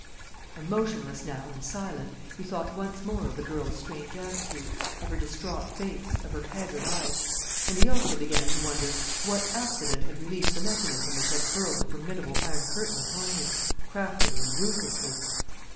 And motionless now and silent, he thought once more of the girl's strange attitude, of her distraught face, of her haggard eyes. And he also began to wonder what accident had released the mechanism which had hurled the formidable iron curtain upon him, craftily and ruthlessly.